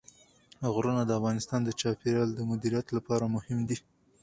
غرونه د افغانستان د چاپیریال د مدیریت لپاره مهم دي.